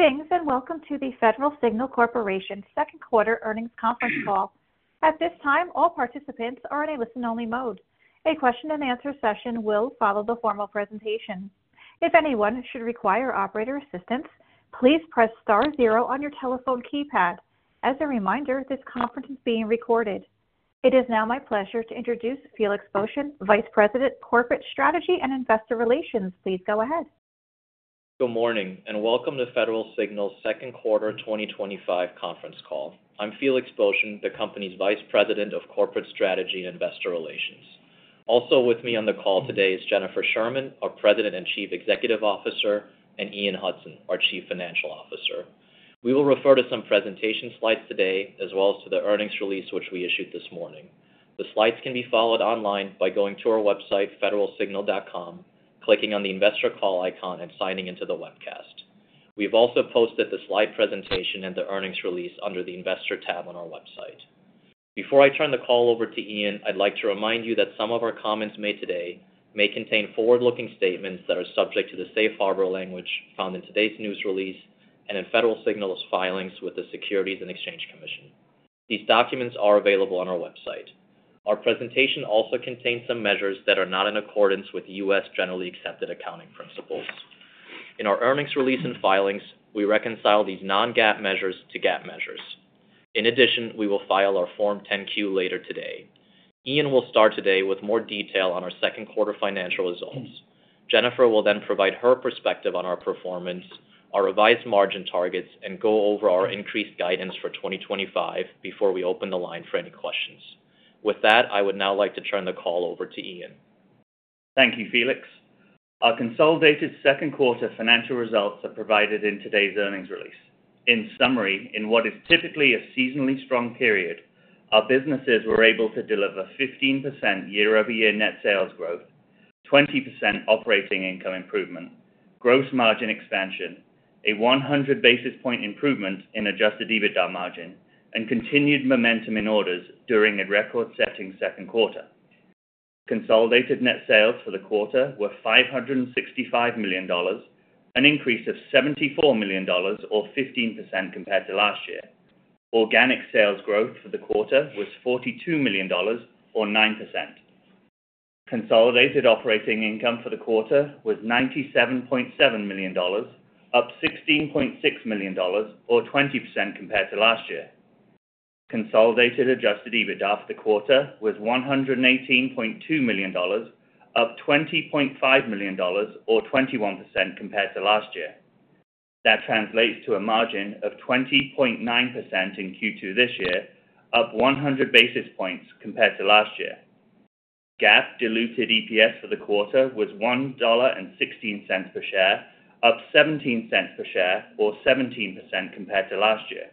Good evening and welcome to the Federal Signal Corporation's second quarter earnings conference call. At this time, all participants are in a listen-only mode. A question and answer session will follow the formal presentation. If anyone should require operator assistance, please press star zero on your telephone keypad. As a reminder, this conference is being recorded. It is now my pleasure to introduce Felix Boeschen, Vice President, Corporate Strategy and Investor Relations. Please go ahead. Good morning and welcome to Federal Signal's second quarter 2025 conference call. I'm Felix Boeschen, the company's Vice President of Corporate Strategy and Investor Relations. Also with me on the call today is Jennifer Sherman, our President and Chief Executive Officer, and Ian Hudson, our Chief Financial Officer. We will refer to some presentation slides today, as well as to the earnings release which we issued this morning. The slides can be followed online by going to our website, federalsignal.com, clicking on the investor call icon, and signing into the webcast. We've also posted the slide presentation and the earnings release under the investor tab on our website. Before I turn the call over to Ian, I'd like to remind you that some of our comments made today may contain forward-looking statements that are subject to the safe harbor language found in today's news release and in Federal Signal's filings with the Securities and Exchange Commission. These documents are available on our website. Our presentation also contains some measures that are not in accordance with U.S. generally accepted accounting principles. In our earnings release and filings, we reconcile these non-GAAP measures to GAAP measures. In addition, we will file our Form 10-Q later today. Ian will start today with more detail on our second quarter financial results. Jennifer will then provide her perspective on our performance, our revised margin targets, and go over our increased guidance for 2025 before we open the line for any questions. With that, I would now like to turn the call over to Ian. Thank you, Felix. Our consolidated second quarter financial results are provided in today's earnings release. In summary, in what is typically a seasonally strong period, our businesses were able to deliver 15% year-over-year net sales growth, 20% operating income improvement, gross margin expansion, a 100 basis point improvement in adjusted EBITDA margin, and continued momentum in orders during a record-setting second quarter. Consolidated net sales for the quarter were $565 million, an increase of $74 million, or 15% compared to last year. Organic sales growth for the quarter was $42 million, or 9%. Consolidated operating income for the quarter was $97.7 million, up $16.6 million, or 20% compared to last year. Consolidated adjusted EBITDA for the quarter was $118.2 million, up $20.5 million, or 21% compared to last year. That translates to a margin of 20.9% in Q2 this year, up 100 basis points compared to last year. GAAP diluted EPS for the quarter was $1.16 per share, up $0.17 per share, or 17% compared to last year.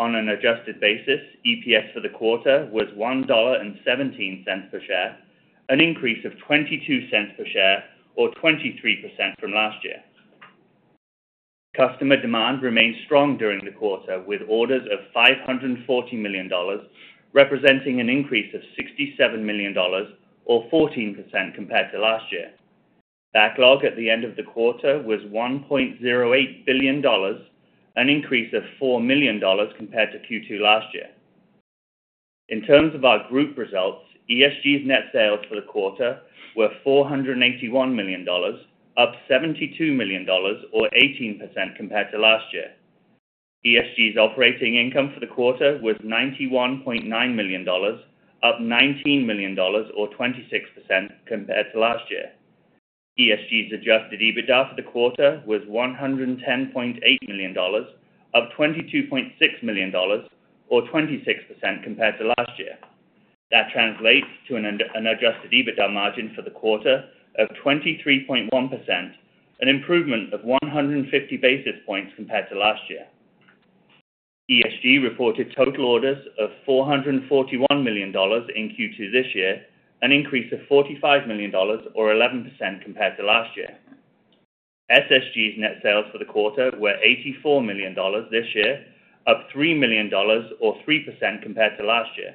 On an adjusted basis, EPS for the quarter was $1.17 per share, an increase of $0.22 per share, or 23% from last year. Customer demand remained strong during the quarter with orders of $540 million, representing an increase of $67 million, or 14% compared to last year. Backlog at the end of the quarter was $1.08 billion, an increase of $4 million compared to Q2 last year. In terms of our group results, ESG's net sales for the quarter were $481 million, up $72 million, or 18% compared to last year. ESG's operating income for the quarter was $91.9 million, up $19 million, or 26% compared to last year. ESG's adjusted EBITDA for the quarter was $110.8 million, up $22.6 million, or 26% compared to last year. That translates to an adjusted EBITDA margin for the quarter of 23.1%, an improvement of 150 basis points compared to last year. ESG reported total orders of $441 million in Q2 this year, an increase of $45 million, or 11% compared to last year. SSG's net sales for the quarter were $84 million this year, up $3 million, or 3% compared to last year.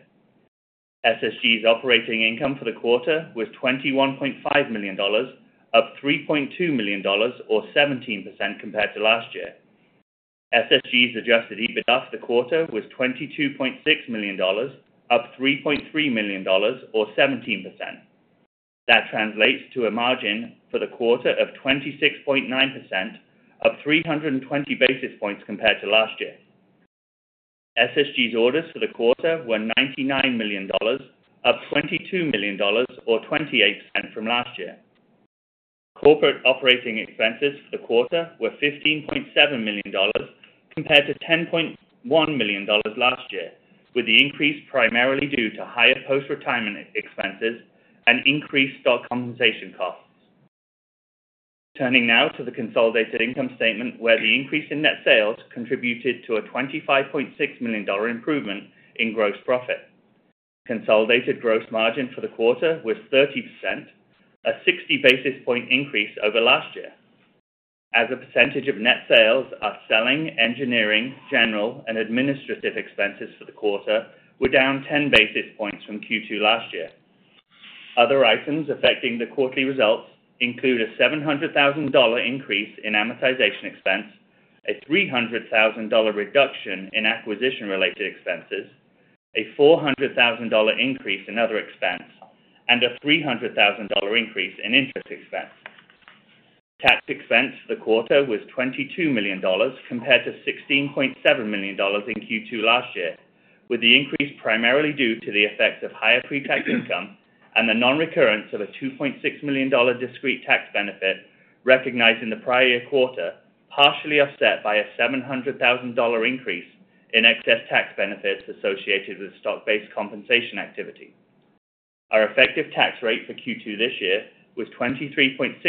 SSG's operating income for the quarter was $21.5 million, up $3.2 million, or 17% compared to last year. SSG's adjusted EBITDA for the quarter was $22.6 million, up $3.3 million, or 17%. That translates to a margin for the quarter of 26.9%, up 320 basis points compared to last year. SSG's orders for the quarter were $99 million, up $22 million, or 28% from last year. Corporate operating expenses for the quarter were $15.7 million compared to $10.1 million last year, with the increase primarily due to higher post-retirement expenses and increased stock compensation costs. Turning now to the consolidated income statement, where the increase in net sales contributed to a $25.6 million improvement in gross profit. Consolidated gross margin for the quarter was 30%, a 60 basis point increase over last year. As a percentage of net sales, our selling, engineering, general, and administrative expenses for the quarter were down 10 basis points from Q2 last year. Other items affecting the quarterly results include a $700,000 increase in amortization expense, a $300,000 reduction in acquisition-related expenses, a $400,000 increase in other expense, and a $300,000 increase in interest expense. Tax expense for the quarter was $22 million compared to $16.7 million in Q2 last year, with the increase primarily due to the effects of higher pre-tax income and the non-recurrence of a $2.6 million discrete tax benefit recognized in the prior year quarter, partially offset by a $700,000 increase in excess tax benefits associated with stock-based compensation activity. Our effective tax rate for Q2 this year was 23.6%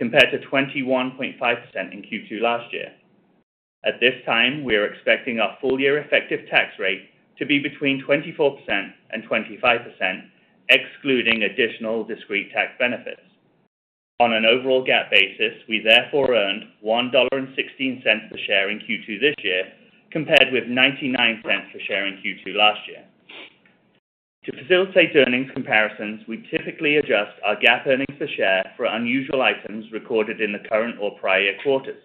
compared to 21.5% in Q2 last year. At this time, we are expecting our full-year effective tax rate to be between 24%-25%, excluding additional discrete tax benefits. On an overall GAAP basis, we therefore earned $1.16 per share in Q2 this year, compared with $0.99 per share in Q2 last year. To facilitate earnings comparisons, we typically adjust our GAAP earnings per share for unusual items recorded in the current or prior quarters.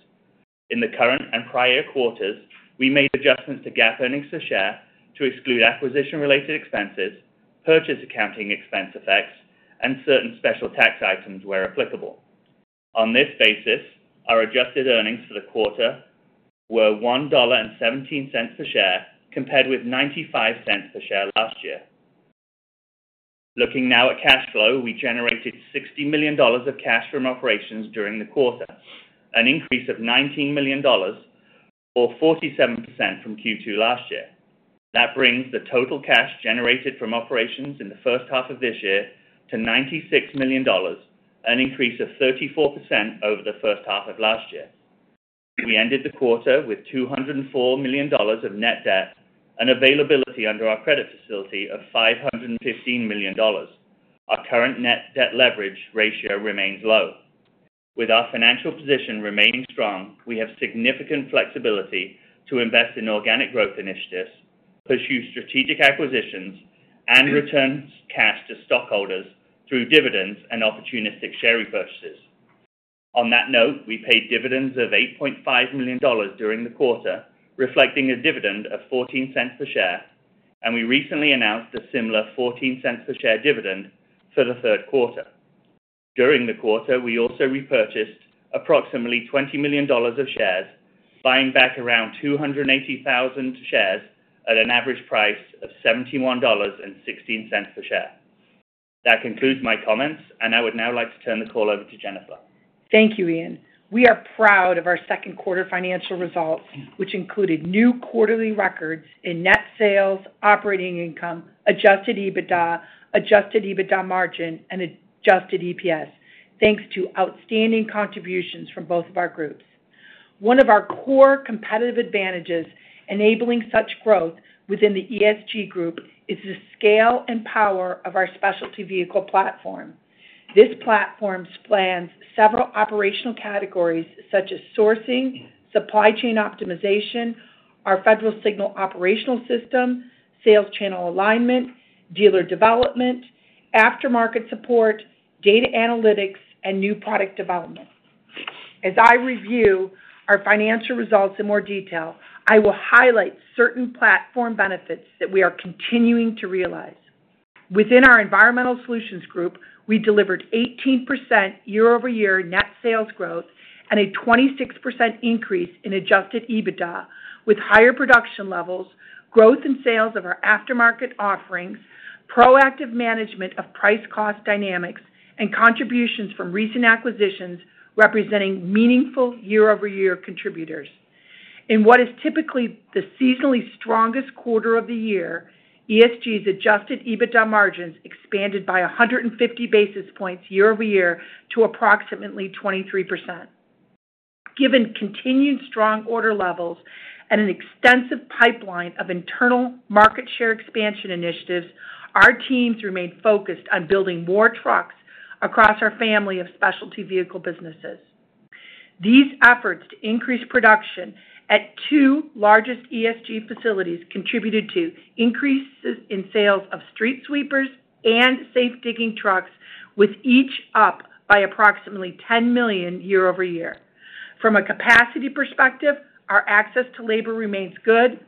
In the current and prior quarters, we made adjustments to GAAP earnings per share to exclude acquisition-related expenses, purchase accounting expense effects, and certain special tax items where applicable. On this basis, our adjusted earnings for the quarter were $1.17 per share compared with $0.95 per share last year. Looking now at cash flow, we generated $60 million of cash from operations during the quarter, an increase of $19 million, or 47% from Q2 last year. That brings the total cash generated from operations in the first half of this year to $96 million, an increase of 34% over the first half of last year. We ended the quarter with $204 million of net debt and availability under our credit facility of $515 million. Our current net debt leverage ratio remains low. With our financial position remaining strong, we have significant flexibility to invest in organic growth initiatives, pursue strategic acquisitions, and return cash to stockholders through dividends and opportunistic share repurchases. On that note, we paid dividends of $8.5 million during the quarter, reflecting a dividend of $0.14 per share, and we recently announced a similar $0.14 per share dividend for the third quarter. During the quarter, we also repurchased approximately $20 million of shares, buying back around 280,000 shares at an average price of $71.16 per share. That concludes my comments, and I would now like to turn the call over to Jennifer. Thank you, Ian. We are proud of our second quarter financial results, which included new quarterly records in net sales, operating income, adjusted EBITDA, adjusted EBITDA margin, and adjusted EPS, thanks to outstanding contributions from both of our groups. One of our core competitive advantages enabling such growth within the ESG group is the scale and power of our specialty vehicle platform. This platform spans several operational categories, such as sourcing, supply chain optimization, our Federal Signal operational system, sales channel alignment, dealer development, aftermarket support, data analytics, and new product development. As I review our financial results in more detail, I will highlight certain platform benefits that we are continuing to realize. Within our Environmental Solutions Group, we delivered 18% year-over-year net sales growth and a 26% increase in adjusted EBITDA, with higher production levels, growth in sales of our aftermarket offerings, proactive management of price-cost dynamics, and contributions from recent acquisitions representing meaningful year-over-year contributors. In what is typically the seasonally strongest quarter of the year, ESG's adjusted EBITDA margins expanded by 150 basis points year-over-year to approximately 23%. Given continued strong order levels and an extensive pipeline of internal market share expansion initiatives, our teams remain focused on building more trucks across our family of specialty vehicle businesses. These efforts to increase production at two largest ESG facilities contributed to increases in sales of street sweepers and safe digging trucks, with each up by approximately $10 million year-over-year. From a capacity perspective, our access to labor remains good,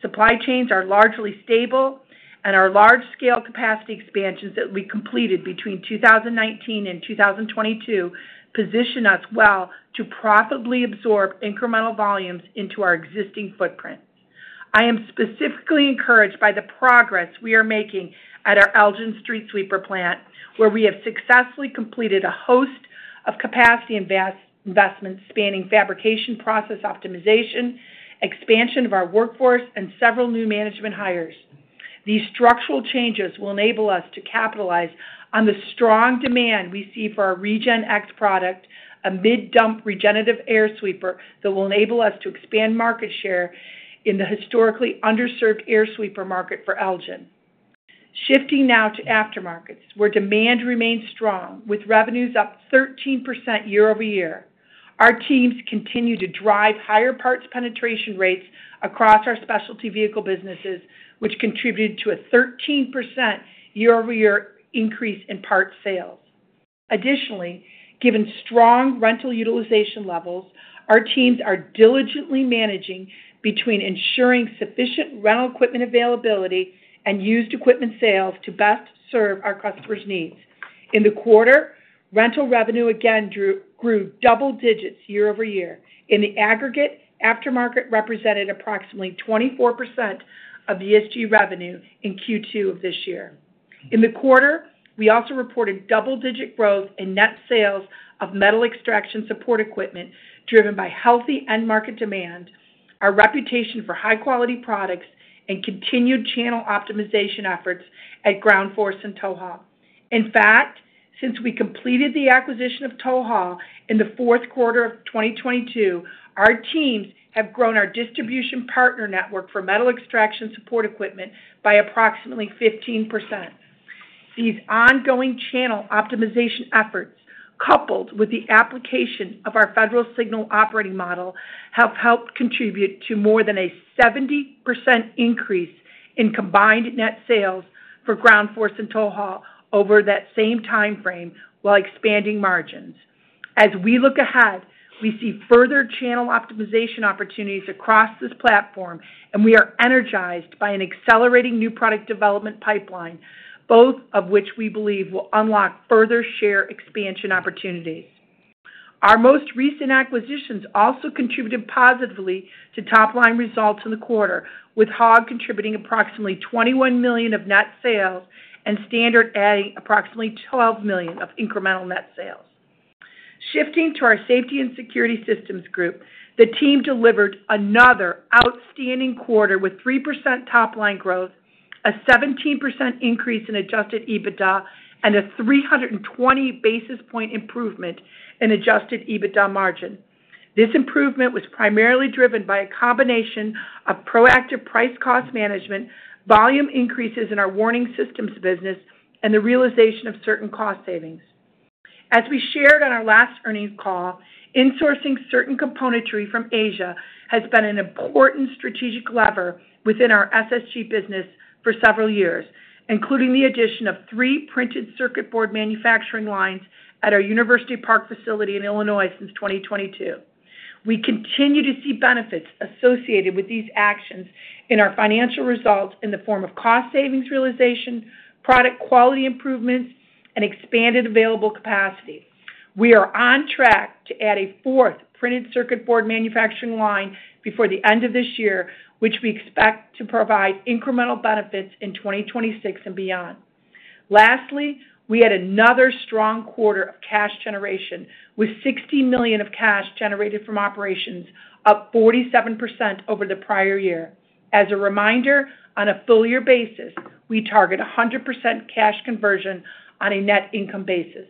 supply chains are largely stable, and our large-scale capacity expansions that we completed between 2019 and 2022 position us well to profitably absorb incremental volumes into our existing footprint. I am specifically encouraged by the progress we are making at our Elgin Street Sweeper Plant, where we have successfully completed a host of capacity investments spanning fabrication process optimization, expansion of our workforce, and several new management hires. These structural changes will enable us to capitalize on the strong demand we see for our RegenX product, a mid-dump regenerative air sweeper that will enable us to expand market share in the historically underserved air sweeper market for Elgin. Shifting now to aftermarkets, where demand remains strong, with revenues up 13% year-over-year, our teams continue to drive higher parts penetration rates across our specialty vehicle businesses, which contributed to a 13% year-over-year increase in parts sales. Additionally, given strong rental utilization levels, our teams are diligently managing between ensuring sufficient rental equipment availability and used equipment sales to best serve our customers' needs. In the quarter, rental revenue again grew double digits year-over-year. In the aggregate, aftermarket represented approximately 24% of ESG revenue in Q2 of this year. In the quarter, we also reported double-digit growth in net sales of metal extraction support equipment, driven by healthy end-market demand, our reputation for high-quality products, and continued channel optimization efforts at Ground Force and TowHaul. In fact, since we completed the acquisition of TowHaul in the fourth quarter of 2022, our teams have grown our distribution partner network for metal extraction support equipment by approximately 15%. These ongoing channel optimization efforts, coupled with the application of our Federal Signal operating model, have helped contribute to more than a 70% increase in combined net sales for Ground Force and TowHaul over that same timeframe while expanding margins. As we look ahead, we see further channel optimization opportunities across this platform, and we are energized by an accelerating new product development pipeline, both of which we believe will unlock further share expansion opportunities. Our most recent acquisitions also contributed positively to top-line results in the quarter, with Hog contributing approximately $21 million of net sales and Standard adding approximately $12 million of incremental net sales. Shifting to our safety and security systems group, the team delivered another outstanding quarter with 3% top-line growth, a 17% increase in adjusted EBITDA, and a 320 basis point improvement in adjusted EBITDA margin. This improvement was primarily driven by a combination of proactive price-cost management, volume increases in our warning systems business, and the realization of certain cost savings. As we shared on our last earnings call, insourcing certain componentry from Asia has been an important strategic lever within our SSG business for several years, including the addition of three printed circuit board manufacturing lines at our University Park facility in Illinois since 2022. We continue to see benefits associated with these actions in our financial results in the form of cost savings realization, product quality improvements, and expanded available capacity. We are on track to add a fourth printed circuit board manufacturing line before the end of this year, which we expect to provide incremental benefits in 2026 and beyond. Lastly, we had another strong quarter of cash generation, with $60 million of cash generated from operations, up 47% over the prior year. As a reminder, on a full-year basis, we target 100% cash conversion on a net income basis.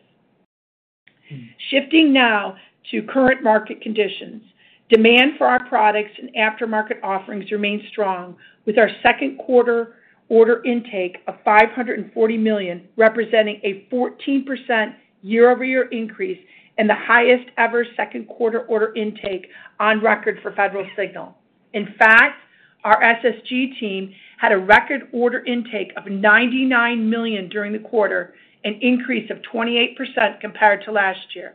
Shifting now to current market conditions, demand for our products and aftermarket offerings remains strong, with our second quarter order intake of $540 million, representing a 14% year-over-year increase and the highest ever second quarter order intake on record for Federal Signal. In fact, our SSG team had a record order intake of $99 million during the quarter, an increase of 28% compared to last year.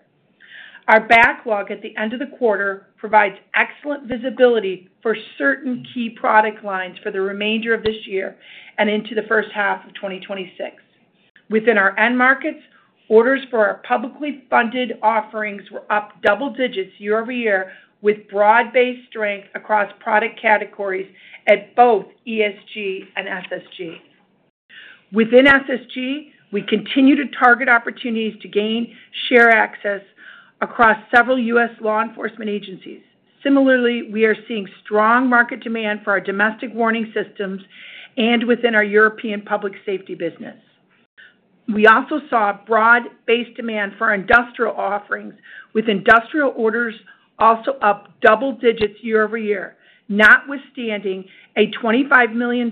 Our backlog at the end of the quarter provides excellent visibility for certain key product lines for the remainder of this year and into the first half of 2026. Within our end markets, orders for our publicly funded offerings were up double digits year-over-year, with broad-based strength across product categories at both ESG and SSG. Within SSG, we continue to target opportunities to gain share access across several U.S. law enforcement agencies. Similarly, we are seeing strong market demand for our domestic warning systems and within our European public safety business. We also saw broad-based demand for our industrial offerings, with industrial orders also up double digits year-over-year, notwithstanding a $25 million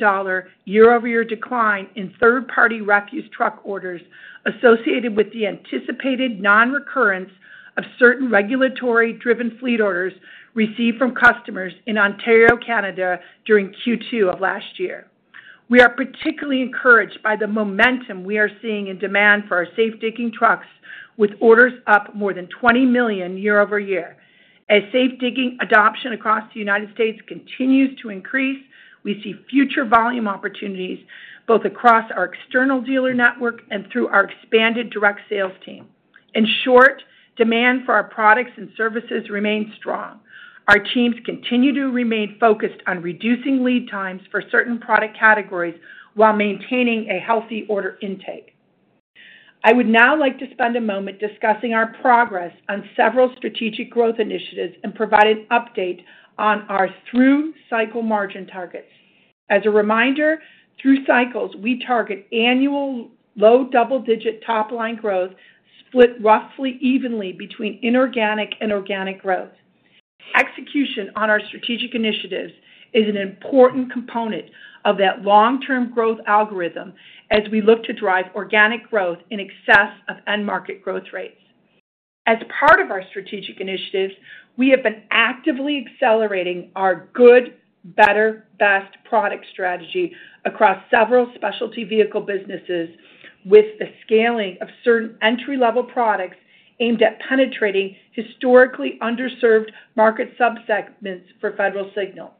year-over-year decline in third-party refuse truck orders associated with the anticipated non-recurrence of certain regulatory-driven fleet orders received from customers in Ontario, Canada, during Q2 of last year. We are particularly encouraged by the momentum we are seeing in demand for our safe digging trucks, with orders up more than $20 million year-over-year. As safe digging adoption across the United States continues to increase, we see future volume opportunities both across our external dealer network and through our expanded direct sales team. In short, demand for our products and services remains strong. Our teams continue to remain focused on reducing lead times for certain product categories while maintaining a healthy order intake. I would now like to spend a moment discussing our progress on several strategic growth initiatives and provide an update on our through-cycle margin targets. As a reminder, through cycles, we target annual low double-digit top-line growth split roughly evenly between inorganic and organic growth. Execution on our strategic initiatives is an important component of that long-term growth algorithm as we look to drive organic growth in excess of end-market growth rates. As part of our strategic initiatives, we have been actively accelerating our good, better, best product strategy across several specialty vehicle businesses with the scaling of certain entry-level products aimed at penetrating historically underserved market subsegments for Federal Signal.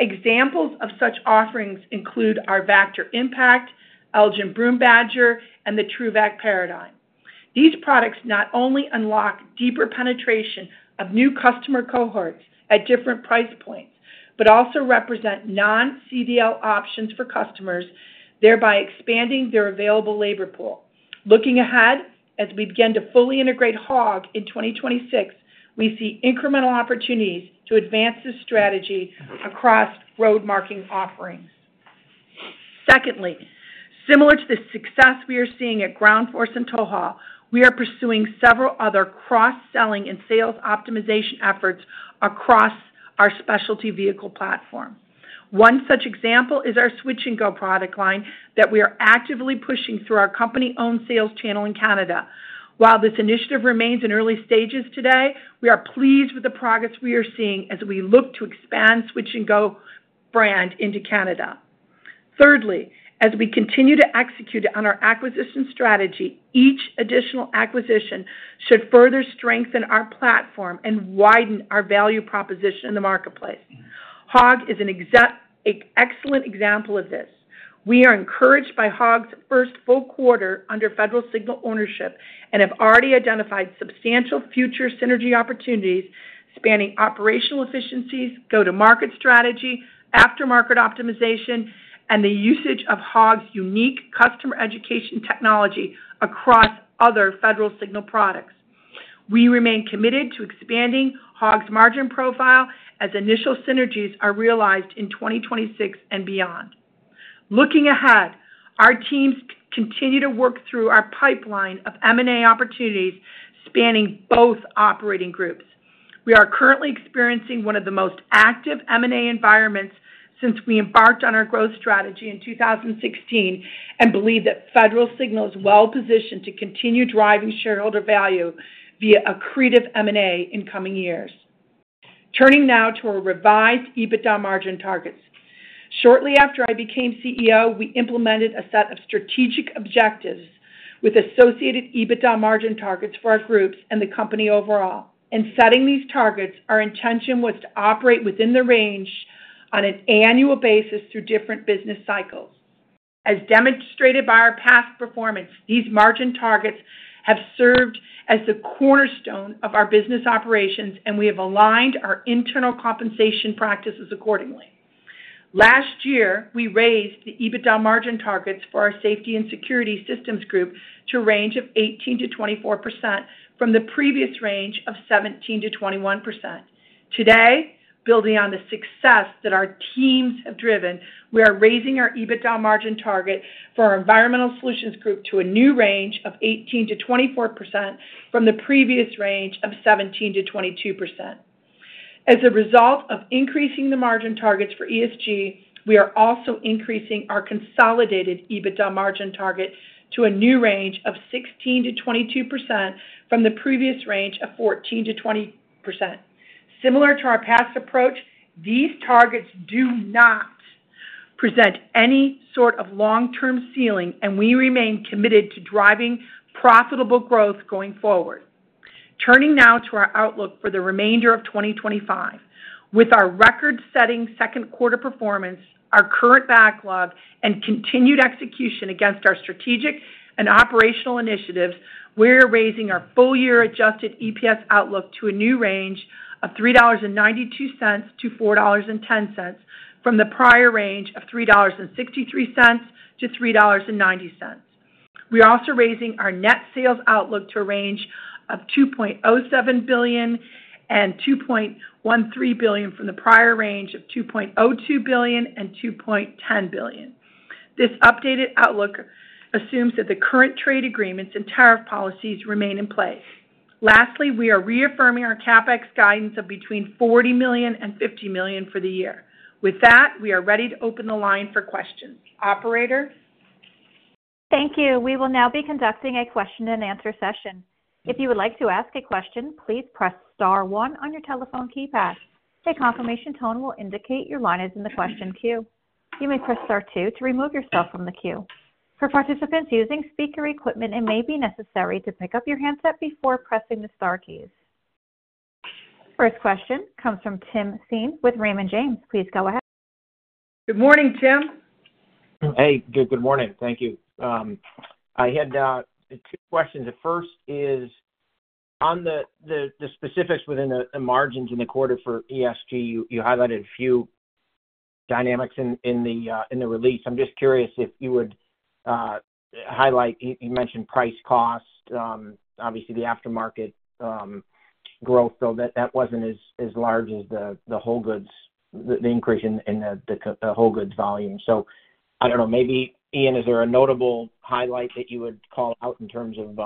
Examples of such offerings include our Vactor Impact, Elgin Broom Badger, and the TRUVAC Paradigm. These products not only unlock deeper penetration of new customer cohorts at different price points but also represent non-CDL options for customers, thereby expanding their available labor pool. Looking ahead, as we begin to fully integrate Hog in 2026, we see incremental opportunities to advance this strategy across roadmarking offerings. Secondly, similar to the success we are seeing at Ground Force and TowHaul, we are pursuing several other cross-selling and sales optimization efforts across our specialty vehicle platform. One such example is our Switch-N-Go product line that we are actively pushing through our company-owned sales channel in Canada. While this initiative remains in early stages today, we are pleased with the progress we are seeing as we look to expand Switch-N-Go brand into Canada. Thirdly, as we continue to execute on our acquisition strategy, each additional acquisition should further strengthen our platform and widen our value proposition in the marketplace. Hog is an excellent example of this. We are encouraged by Hog's first full quarter under Federal Signal ownership and have already identified substantial future synergy opportunities spanning operational efficiencies, go-to-market strategy, aftermarket optimization, and the usage of Hog's unique customer education technology across other Federal Signal products. We remain committed to expanding Hog's margin profile as initial synergies are realized in 2026 and beyond. Looking ahead, our teams continue to work through our pipeline of M&A opportunities spanning both operating groups. We are currently experiencing one of the most active M&A environments since we embarked on our growth strategy in 2016 and believe that Federal Signal is well-positioned to continue driving shareholder value via accretive M&A in coming years. Turning now to our revised EBITDA margin targets. Shortly after I became CEO, we implemented a set of strategic objectives with associated EBITDA margin targets for our groups and the company overall. In setting these targets, our intention was to operate within the range on an annual basis through different business cycles. As demonstrated by our past performance, these margin targets have served as the cornerstone of our business operations, and we have aligned our internal compensation practices accordingly. Last year, we raised the EBITDA margin targets for our safety and security systems group to a range of 18%-24% from the previous range of 17%-21%. Today, building on the success that our teams have driven, we are raising our EBITDA margin target for our environmental solutions group to a new range of 18%-24% from the previous range of 17%-22%. As a result of increasing the margin targets for ESG, we are also increasing our consolidated EBITDA margin target to a new range of 16%-22% from the previous range of 14%-20%. Similar to our past approach, these targets do not present any sort of long-term ceiling, and we remain committed to driving profitable growth going forward. Turning now to our outlook for the remainder of 2025, with our record-setting second-quarter performance, our current backlog, and continued execution against our strategic and operational initiatives, we are raising our full-year adjusted EPS outlook to a new range of $3.92-$4.10 from the prior range of $3.63-$3.90. We are also raising our net sales outlook to a range of $2.07 billion-$2.13 billion from the prior range of $2.02 billion-$2.10 billion. This updated outlook assumes that the current trade agreements and tariff policies remain in place. Lastly, we are reaffirming our CapEx guidance of between $40 million-$50 million for the year. With that, we are ready to open the line for questions. Operator? Thank you. We will now be conducting a question-and-answer session. If you would like to ask a question, please press star one on your telephone keypad. A confirmation tone will indicate your line is in the question queue. You may press star two to remove yourself from the queue. For participants using speaker equipment, it may be necessary to pick up your handset before pressing the star keys. First question comes from Tim Thein with Raymond James. Please go ahead. Good morning, Tim. Hey, good morning. Thank you. I had two questions. The first is on the specifics within the margins in the quarter for ESG. You highlighted a few dynamics in the release. I'm just curious if you would highlight. You mentioned price cost, obviously the aftermarket growth, though that wasn't as large as the whole goods, the increase in the whole goods volume. I don't know. Maybe, Ian, is there a notable highlight that you would call out in terms of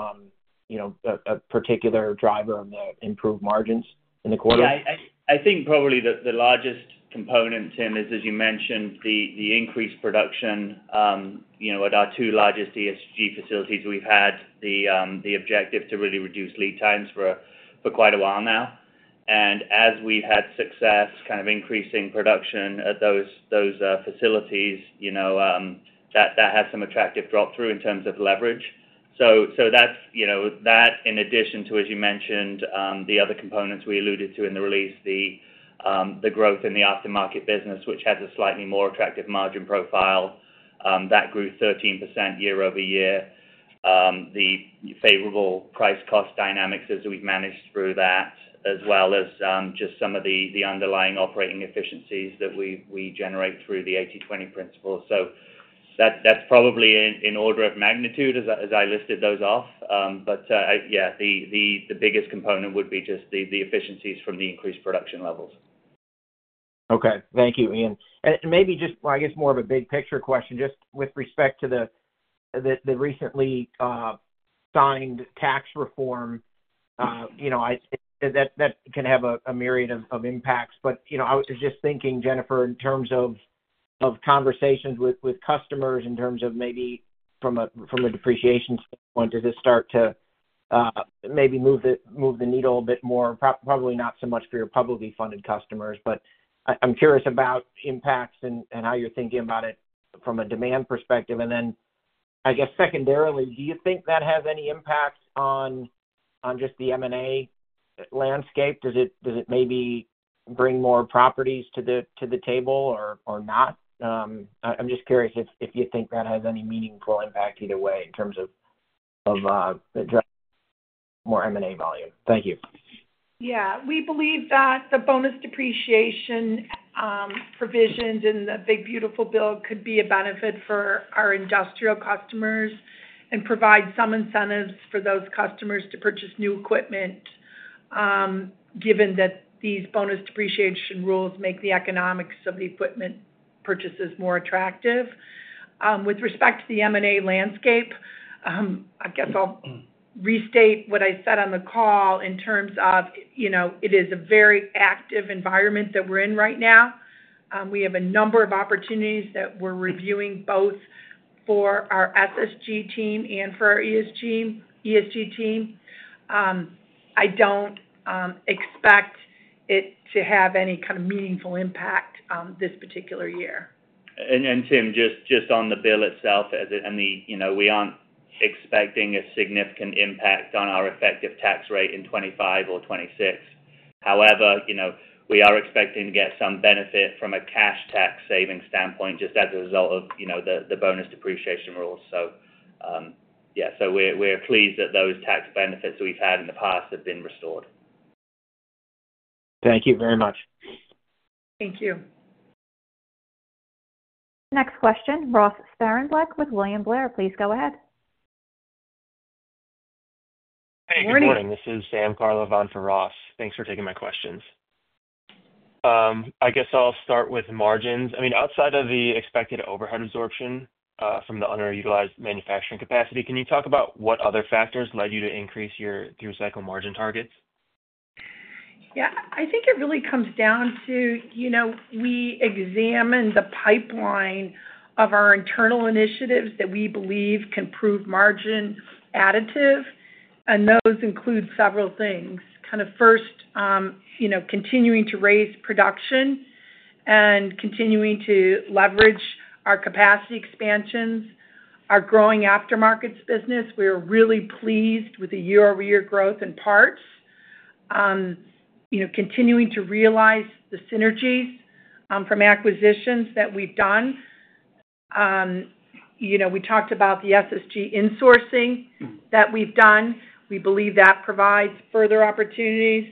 a particular driver of the improved margins in the quarter? Yeah, I think probably the largest component, Tim, is, as you mentioned, the increased production. At our two largest ESG facilities, we've had the objective to really reduce lead times for quite a while now. As we've had success increasing production at those facilities, that has some attractive drop through in terms of leverage. That, in addition to, as you mentioned, the other components we alluded to in the release, the growth in the aftermarket business, which has a slightly more attractive margin profile, that grew 13% year-over-year. The favorable price-cost dynamics as we've managed through that, as well as just some of the underlying operating efficiencies that we generate through the 80/20 principle. That's probably in order of magnitude as I listed those off. The biggest component would be just the efficiencies from the increased production levels. Thank you, Ian. Maybe just, I guess more of a big-picture question, just with respect to the recently signed tax reform. You know, that can have a myriad of impacts. I was just thinking, Jennifer, in terms of conversations with customers, in terms of maybe from a depreciation standpoint, does this start to maybe move the needle a bit more? Probably not so much for your publicly funded customers, but I'm curious about impacts and how you're thinking about it from a demand perspective. I guess secondarily, do you think that has any impact on just the M&A landscape? Does it maybe bring more properties to the table or not? I'm just curious if you think that has any meaningful impact either way in terms of addressing more M&A volume. Thank you. Yeah. We believe that the bonus depreciation provisions in the Big Beautiful Bill could be a benefit for our industrial customers and provide some incentives for those customers to purchase new equipment, given that these bonus depreciation rules make the economics of the equipment purchases more attractive. With respect to the M&A landscape, I guess I'll restate what I said on the call in terms of, you know, it is a very active environment that we're in right now. We have a number of opportunities that we're reviewing both for our SSG team and for our ESG team. I don't expect it to have any kind of meaningful impact this particular year. Tim, just on the bill itself, we aren't expecting a significant impact on our effective tax rate in 2025 or 2026. However, we are expecting to get some benefit from a cash tax savings standpoint just as a result of the bonus depreciation rules. We're pleased that those tax benefits that we've had in the past have been restored. Thank you very much. Thank you. Next question, Ross Sparenbeck with William Blair. Please go ahead. Hey, good morning. This is Sam Karlov on for Ross. Thanks for taking my questions. I guess I'll start with margins. I mean, outside of the expected overhead absorption from the underutilized manufacturing capacity, can you talk about what other factors led you to increase your through-cycle margin targets? I think it really comes down to, you know, we examine the pipeline of our internal initiatives that we believe can prove margin additive. Those include several things. First, you know, continuing to raise production and continuing to leverage our capacity expansions, our growing aftermarkets business. We're really pleased with the year-over-year growth in parts. You know, continuing to realize the synergies from acquisitions that we've done. We talked about the SSG insourcing that we've done. We believe that provides further opportunities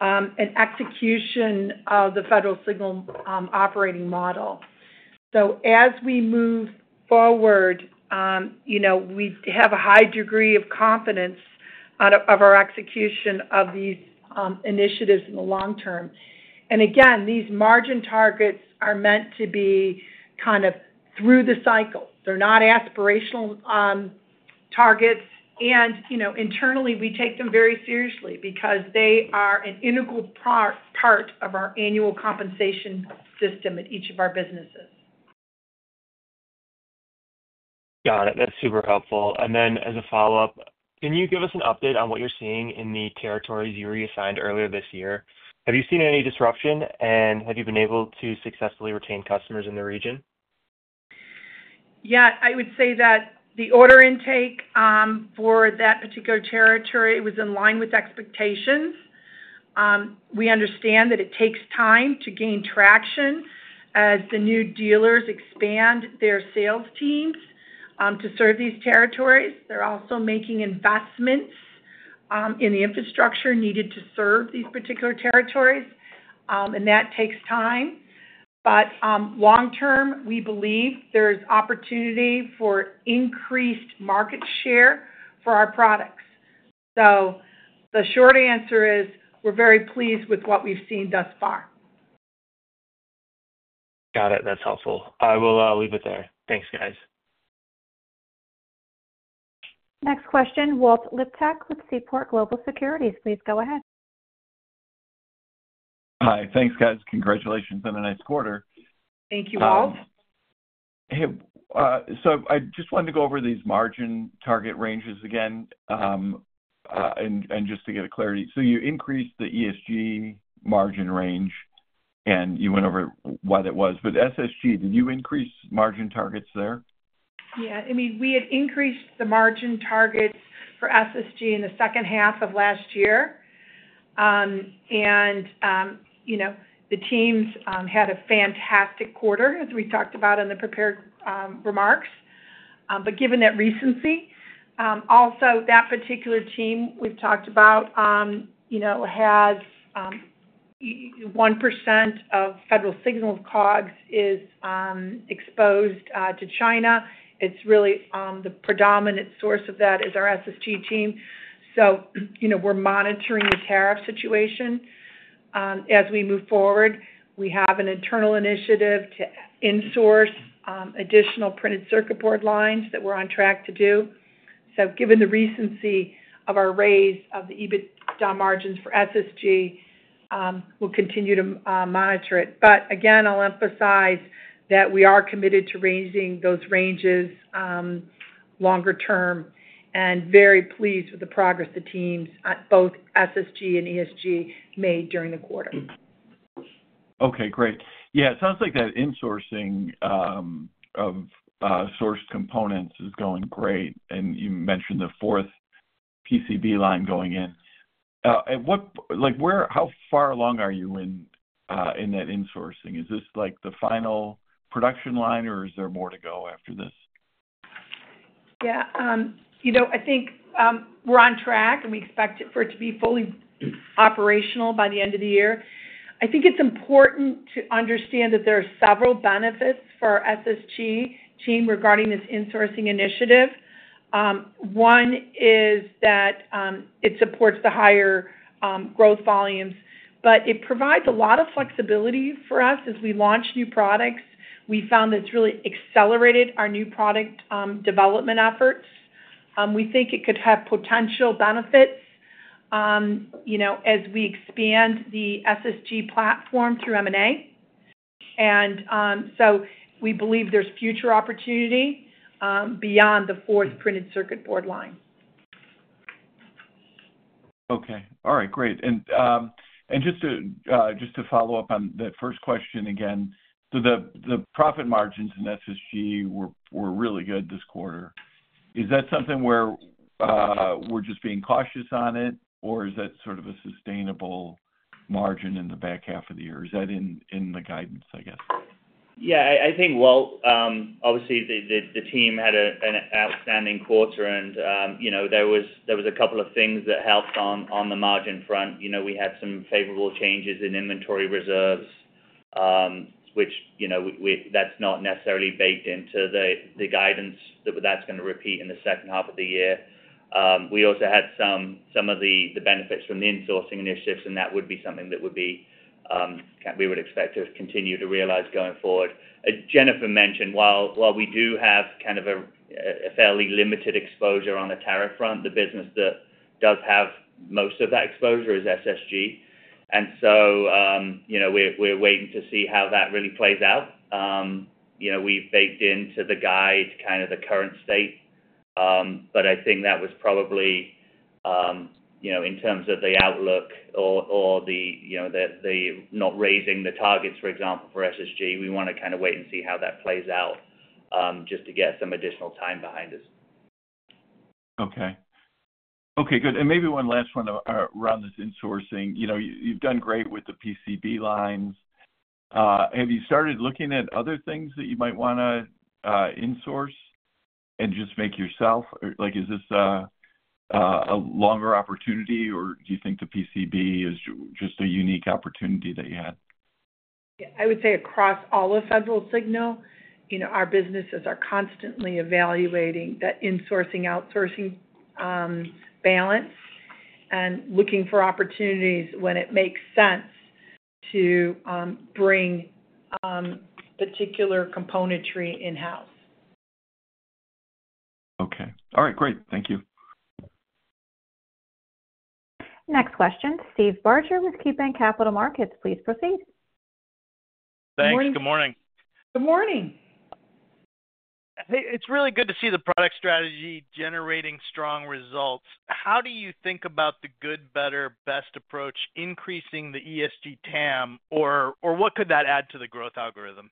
and execution of the Federal Signal operating model. As we move forward, you know, we have a high degree of confidence of our execution of these initiatives in the long term. Again, these margin targets are meant to be kind of through the cycle. They're not aspirational targets. You know, internally, we take them very seriously because they are an integral part of our annual compensation system at each of our businesses. Got it. That's super helpful. As a follow-up, can you give us an update on what you're seeing in the territories you reassigned earlier this year? Have you seen any disruption, and have you been able to successfully retain customers in the region? I would say that the order intake for that particular territory was in line with expectations. We understand that it takes time to gain traction as the new dealers expand their sales teams to serve these territories. They're also making investments in the infrastructure needed to serve these particular territories, and that takes time. Long term, we believe there's opportunity for increased market share for our products. The short answer is we're very pleased with what we've seen thus far. Got it. That's helpful. I will leave it there. Thanks, guys. Next question, Walt Liptak with Seaport Global Securities. Please go ahead. Hi. Thanks, guys. Congratulations on a nice quarter. Thank you, Walt. I just wanted to go over these margin target ranges again. Just to get clarity, you increased the ESG margin range, and you went over why that was. For SSG, did you increase margin targets there? Yeah. I mean, we had increased the margin targets for SSG in the second half of last year, and the teams had a fantastic quarter, as we talked about in the prepared remarks. Given that recency, also that particular team we've talked about has 1% of Federal Signal's COGs exposed to China. The predominant source of that is our SSG team. We're monitoring the tariff situation as we move forward. We have an internal initiative to insource additional printed circuit board lines that we're on track to do. Given the recency of our raise of the EBITDA margins for SSG, we'll continue to monitor it. Again, I'll emphasize that we are committed to raising those ranges longer term and very pleased with the progress the teams, both SSG and ESG, made during the quarter. Okay, great. It sounds like that insourcing of sourced components is going great. You mentioned the fourth printed circuit board line going in. How far along are you in that insourcing? Is this the final production line, or is there more to go after this? Yeah. I think we're on track, and we expect it to be fully operational by the end of the year. I think it's important to understand that there are several benefits for our SSG team regarding this insourcing initiative. One is that it supports the higher growth volumes, but it provides a lot of flexibility for us as we launch new products. We found that it's really accelerated our new product development efforts. We think it could have potential benefits as we expand the SSG platform through M&A. We believe there's future opportunity beyond the fourth printed circuit board line. All right, great. Just to follow up on that first question again, the profit margins in SSG were really good this quarter. Is that something where we're just being cautious on it, or is that sort of a sustainable margin in the back half of the year? Is that in the guidance, I guess? Yeah, I think the team had an outstanding quarter, and there was a couple of things that helped on the margin front. We had some favorable changes in inventory reserves, which is not necessarily baked into the guidance that that's going to repeat in the second half of the year. We also had some of the benefits from the insourcing initiatives, and that would be something that we would expect to continue to realize going forward. Jennifer mentioned, while we do have kind of a fairly limited exposure on the tariff front, the business that does have most of that exposure is SSG. We're waiting to see how that really plays out. We've baked into the guide kind of the current state. I think that was probably, in terms of the outlook or the not raising the targets, for example, for SSG, we want to wait and see how that plays out just to get some additional time behind us. Okay, good. Maybe one last one around this insourcing. You've done great with the printed circuit board lines. Have you started looking at other things that you might want to insource and just make yourself? Is this a longer opportunity, or do you think the printed circuit board is just a unique opportunity that you had? Yeah, I would say across all of Federal Signal, you know, our businesses are constantly evaluating that insourcing-outsourcing balance and looking for opportunities when it makes sense to bring particular componentry in-house. Okay. All right, great. Thank you. Next question, Steve Barger with KeyBanc Capital Markets. Please proceed. Thanks. Good morning. Morning. Good morning. Hey, it's really good to see the product strategy generating strong results. How do you think about the good, better, best approach increasing the ESG TAM, or what could that add to the growth algorithm?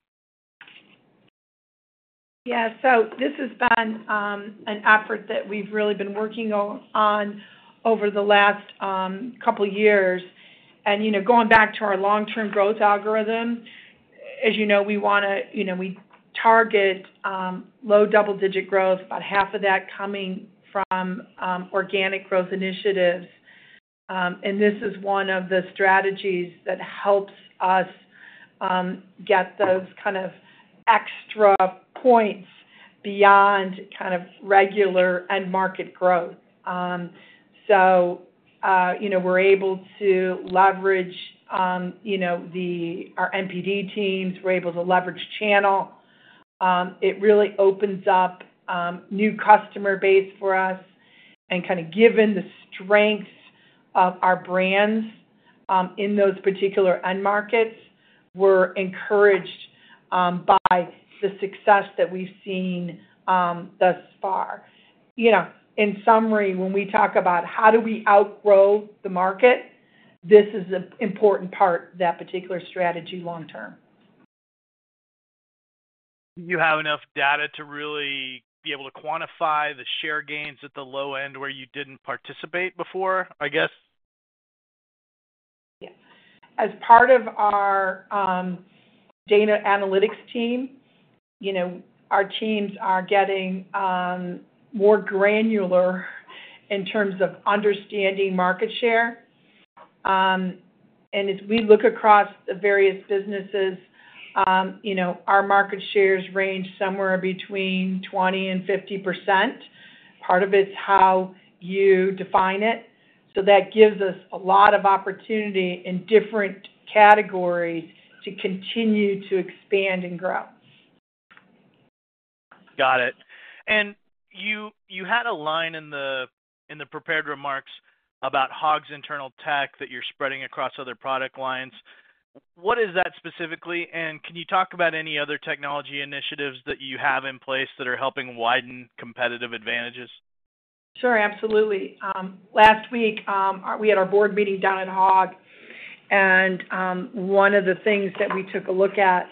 This has been an effort that we've really been working on over the last couple of years. Going back to our long-term growth algorithm, as you know, we target low double-digit growth, about 1/2 of that coming from organic growth initiatives. This is one of the strategies that helps us get those kind of extra points beyond regular end-market growth. We're able to leverage our MPD teams. We're able to leverage channel. It really opens up new customer base for us. Given the strength of our brands in those particular end markets, we're encouraged by the success that we've seen thus far. In summary, when we talk about how do we outgrow the market, this is an important part of that particular strategy long term. Do you have enough data to really be able to quantify the share gains at the low end where you didn't participate before, I guess? As part of our data analytics team, our teams are getting more granular in terms of understanding market share. As we look across the various businesses, our market shares range somewhere between 20%-50%. Part of it's how you define it. That gives us a lot of opportunity in different categories to continue to expand and grow. Got it. You had a line in the prepared remarks about Hog's internal tech that you're spreading across other product lines. What is that specifically, and can you talk about any other technology initiatives that you have in place that are helping widen competitive advantages? Sure, absolutely. Last week, we had our board meeting down at Hog, and one of the things that we took a look at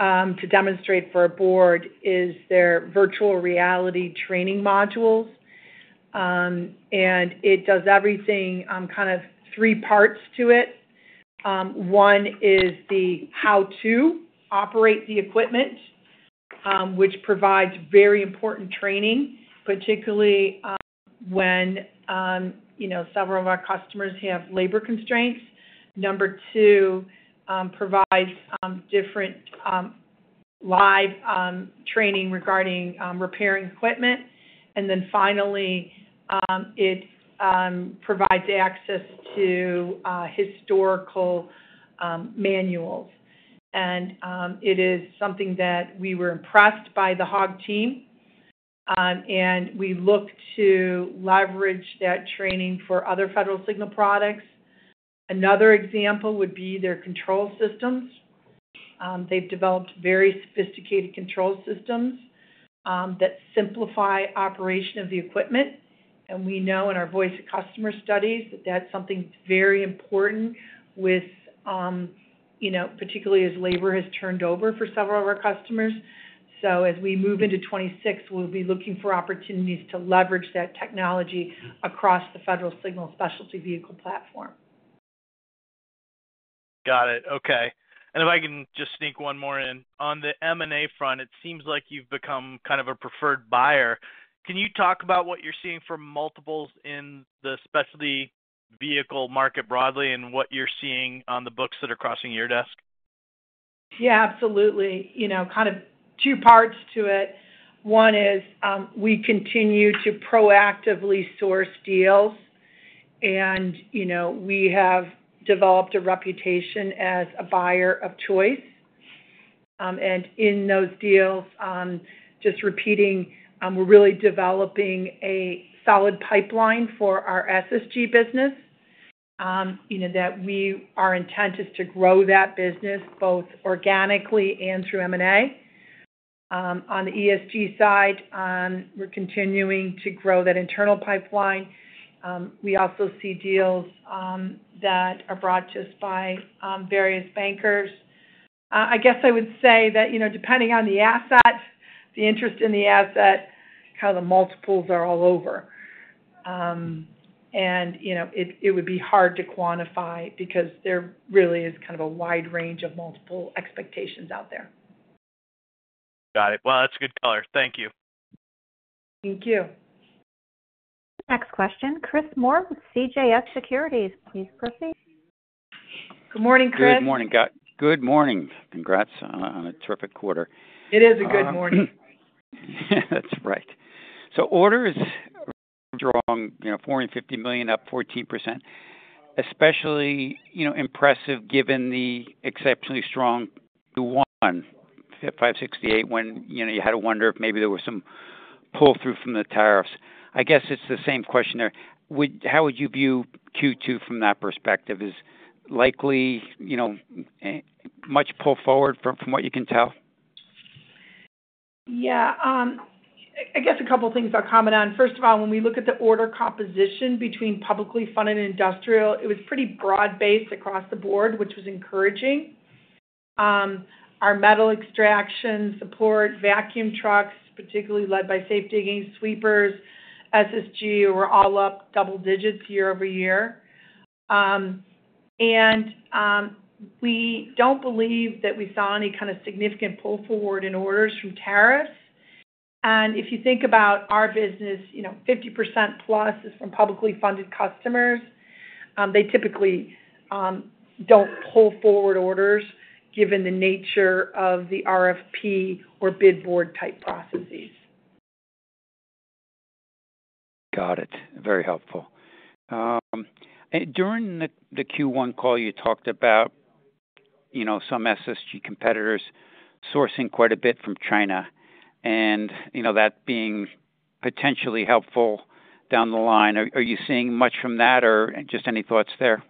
to demonstrate for our board is their virtual reality training modules. It does everything, kind of three parts to it. One is the how to operate the equipment, which provides very important training, particularly when you know several of our customers have labor constraints. Number two, provides different live training regarding repairing equipment. Finally, it provides access to historical manuals. It is something that we were impressed by the Hog team, and we look to leverage that training for other Federal Signal products. Another example would be their control systems. They've developed very sophisticated control systems that simplify operation of the equipment. We know in our voice of customer studies that that's something very important, particularly as labor has turned over for several of our customers. As we move into 2026, we'll be looking for opportunities to leverage that technology across the Federal Signal specialty vehicle platform. Got it. Okay. If I can just sneak one more in, on the M&A front, it seems like you've become kind of a preferred buyer. Can you talk about what you're seeing for multiples in the specialty vehicle market broadly and what you're seeing on the books that are crossing your desk? Yeah, absolutely. Kind of two parts to it. One is we continue to proactively source deals, and we have developed a reputation as a buyer of choice. In those deals, just repeating, we're really developing a solid pipeline for our SSG business. Our intent is to grow that business both organically and through M&A. On the ESG side, we're continuing to grow that internal pipeline. We also see deals that are brought to us by various bankers. I would say that, depending on the asset, the interest in the asset, the multiples are all over. It would be hard to quantify because there really is a wide range of multiple expectations out there. Got it. That's good color. Thank you. Thank you. Next question, Chris Moore with CJS Securities. Please proceed. Good morning, Chris. Good morning. Congrats on a terrific quarter. It is a good morning. That's right. Orders are strong, $450 million, up 14%. Especially impressive given the exceptionally strong Q1, $568 million, when you had to wonder if maybe there was some pull-through from the tariffs. I guess it's the same question there. How would you view Q2 from that perspective? Is likely much pull forward from what you can tell? Yeah. I guess a couple of things I'll comment on. First of all, when we look at the order composition between publicly funded and industrial, it was pretty broad-based across the board, which was encouraging. Our metal extraction support, vacuum trucks, particularly led by safe digging sweepers, SSG, were all up double digits year over year. We don't believe that we saw any kind of significant pull forward in orders from tariffs. If you think about our business, you know, 50%+ is from publicly funded customers. They typically don't pull forward orders given the nature of the RFP or bid board type processes. Got it. Very helpful. During the Q1 call, you talked about, you know, some SSG competitors sourcing quite a bit from China, and you know, that being potentially helpful down the line. Are you seeing much from that, or just any thoughts there?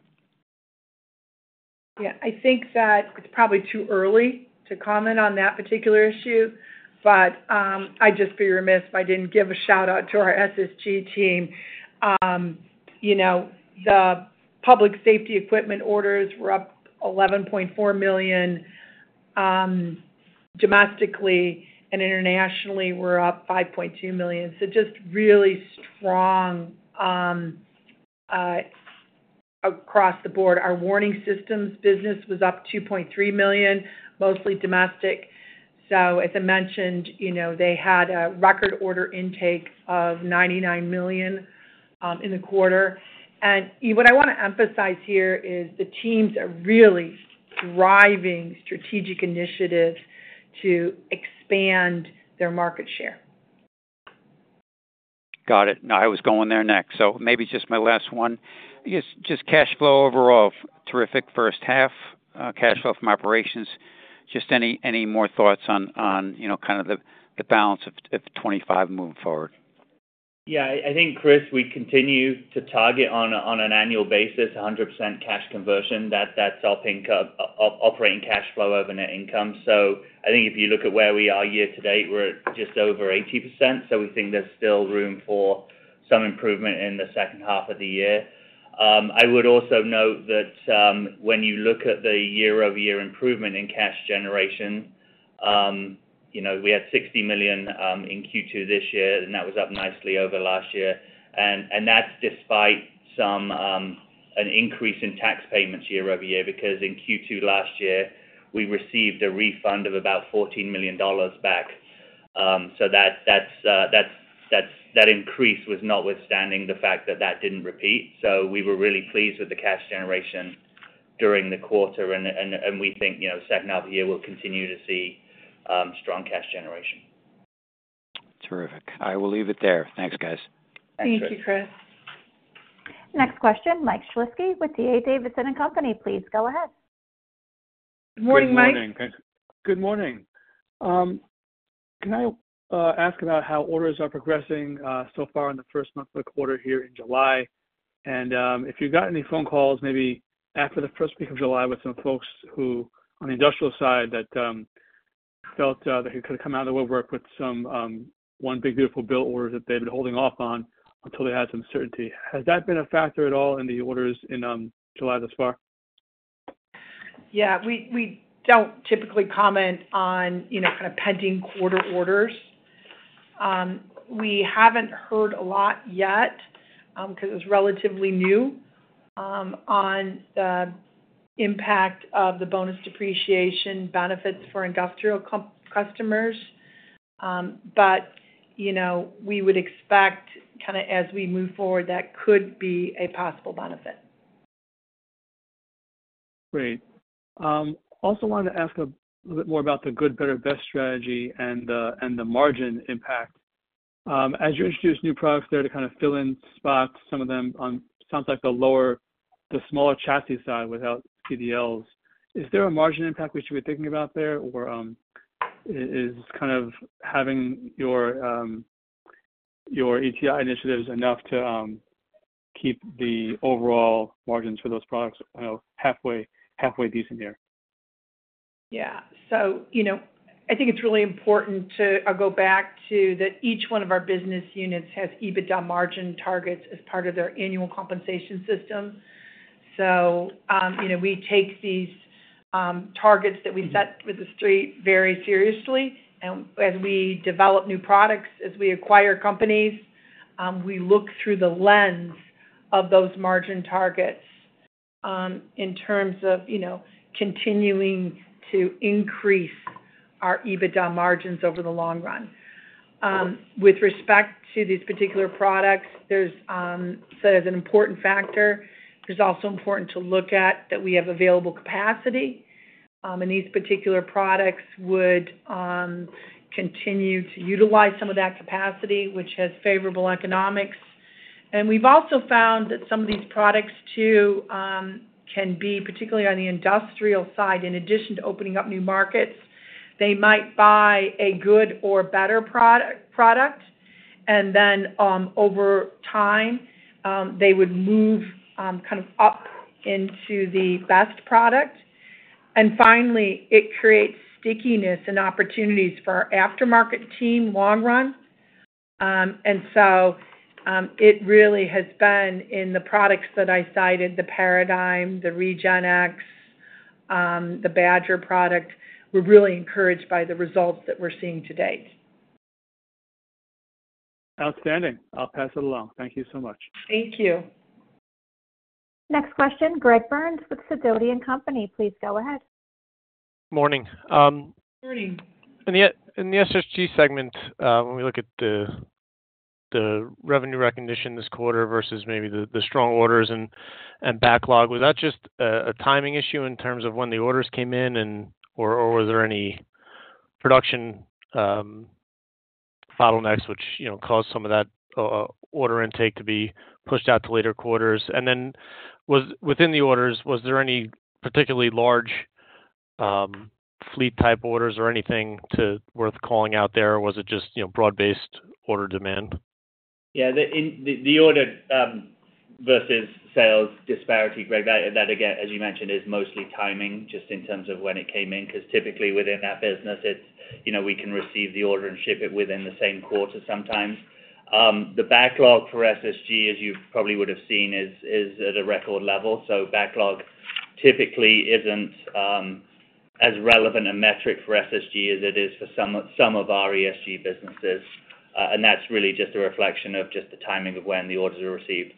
Yeah, I think that it's probably too early to comment on that particular issue, but I'd just be remiss if I didn't give a shout-out to our SSG team. You know, the public safety equipment orders were up $11.4 million. Domestically and internationally, we're up $5.2 million. Just really strong across the board. Our warning systems business was up $2.3 million, mostly domestic. As I mentioned, they had a record order intake of $99 million in the quarter. What I want to emphasize here is the teams are really driving strategic initiatives to expand their market share. Got it. I was going there next. Maybe just my last one. I guess just cash flow overall, terrific first half cash flow from operations. Any more thoughts on, you know, kind of the balance of 2025 moving forward? Yeah, I think, Chris, we continue to target on an annual basis 100% cash conversion. That's operating cash flow over net income. I think if you look at where we are year to date, we're just over 80%. We think there's still room for some improvement in the second half of the year. I would also note that when you look at the year-over-year improvement in cash generation, we had $60 million in Q2 this year, and that was up nicely over last year. That's despite some increase in tax payments year over year because in Q2 last year, we received a refund of about $14 million back. That increase was notwithstanding the fact that that didn't repeat. We were really pleased with the cash generation during the quarter, and we think, you know, second half of the year we'll continue to see strong cash generation. Terrific. I will leave it there. Thanks, guys. Thank you. Thank you, Chris. Next question, Mike Shlisky with D.A. Davidson & Company. Please go ahead. Morning, Mike. Good morning. Can I ask about how orders are progressing so far in the first month of the quarter here in July? If you've got any phone calls, maybe after the first week of July with some folks on the industrial side that felt that they could have come out of the woodwork with some one big beautiful bill orders that they've been holding off on until they had some certainty, has that been a factor at all in the orders in July thus far? Yeah, we don't typically comment on, you know, kind of pending quarter orders. We haven't heard a lot yet because it was relatively new on the impact of the bonus depreciation benefits for industrial customers. You know, we would expect kind of as we move forward, that could be a possible benefit. Great. I also wanted to ask a little bit more about the good, better, best strategy and the margin impact. As you introduce new products there to kind of fill in spots, some of them on, it sounds like, the lower, the smaller chassis side without CDLs, is there a margin impact which you were thinking about there, or is kind of having your ETI initiatives enough to keep the overall margins for those products kind of halfway decent here? Yeah. I think it's really important to go back to that each one of our business units has EBITDA margin targets as part of their annual compensation system. We take these targets that we set for the street very seriously. As we develop new products, as we acquire companies, we look through the lens of those margin targets in terms of continuing to increase our EBITDA margins over the long run. With respect to these particular products, there's an important factor. It's also important to look at that we have available capacity. These particular products would continue to utilize some of that capacity, which has favorable economics. We've also found that some of these products, too, can be, particularly on the industrial side, in addition to opening up new markets, they might buy a good or better product. Over time, they would move kind of up into the best product. Finally, it creates stickiness and opportunities for our aftermarket team long run. It really has been in the products that I cited, the Paradigm, the RegenX, the Badger product, we're really encouraged by the results that we're seeing to date. Outstanding. I'll pass it along. Thank you so much. Thank you. Next question, Greg Burns with Sidoti & Company. Please go ahead. Morning. Morning. In the SSG segment, when we look at the revenue recognition this quarter versus maybe the strong orders and backlog, was that just a timing issue in terms of when the orders came in, or were there any production bottlenecks which caused some of that order intake to be pushed out to later quarters? Within the orders, was there any particularly large fleet type orders or anything worth calling out there, or was it just broad-based order demand? Yeah, the order versus sales disparity, Greg, that again, as you mentioned, is mostly timing just in terms of when it came in because typically within that business, it's, you know, we can receive the order and ship it within the same quarter sometimes. The backlog for SSG, as you probably would have seen, is at a record level. Backlog typically isn't as relevant a metric for SSG as it is for some of our ESG businesses. That's really just a reflection of the timing of when the orders are received.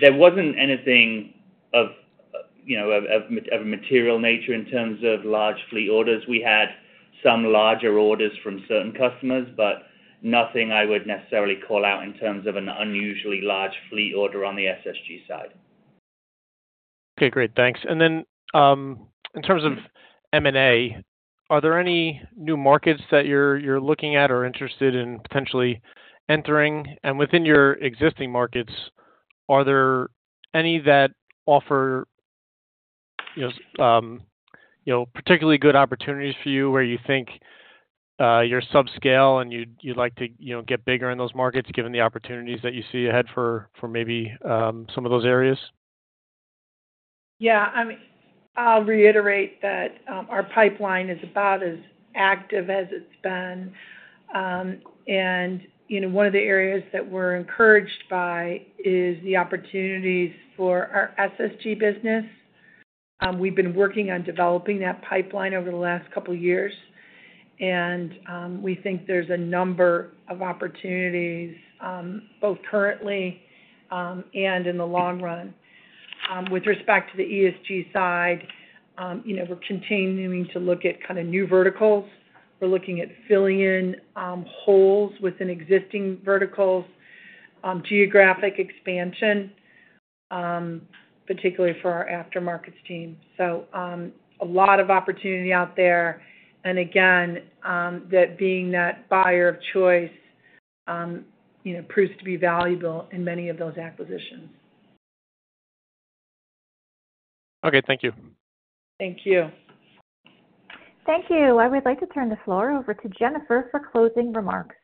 There wasn't anything of a material nature in terms of large fleet orders. We had some larger orders from certain customers, but nothing I would necessarily call out in terms of an unusually large fleet order on the SSG side. Okay, great. Thanks. In terms of M&A, are there any new markets that you're looking at or interested in potentially entering? Within your existing markets, are there any that offer particularly good opportunities for you where you think you're subscale and you'd like to get bigger in those markets given the opportunities that you see ahead for maybe some of those areas? Yeah, I mean, I'll reiterate that our pipeline is about as active as it's been. One of the areas that we're encouraged by is the opportunities for our SSG business. We've been working on developing that pipeline over the last couple of years, and we think there's a number of opportunities, both currently and in the long run. With respect to the ESG side, we're continuing to look at kind of new verticals. We're looking at filling in holes within existing verticals, geographic expansion, particularly for our aftermarkets team. A lot of opportunity out there, and again, that being that buyer of choice proves to be valuable in many of those acquisitions. Okay, thank you. Thank you. Thank you. I would like to turn the floor over to Jennifer for closing remarks.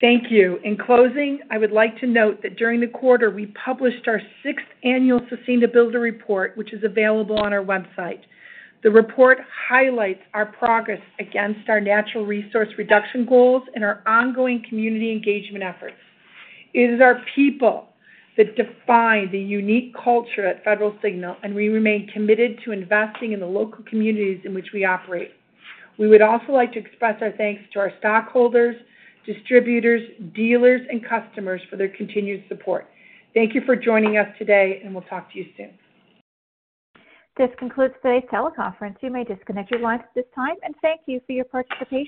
Thank you. In closing, I would like to note that during the quarter, we published our sixth annual sustainability report, which is available on our website. The report highlights our progress against our natural resource reduction goals and our ongoing community engagement efforts. It is our people that define the unique culture at Federal Signal, and we remain committed to investing in the local communities in which we operate. We would also like to express our thanks to our stockholders, distributors, dealers, and customers for their continued support. Thank you for joining us today, and we'll talk to you soon. This concludes today's teleconference. You may disconnect your lines at this time, and thank you for your participation.